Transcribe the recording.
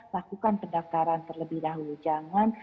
lakukan pendaftaran terlebih dahulu jangan